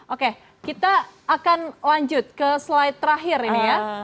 oke kita akan lanjut ke slide terakhir ini ya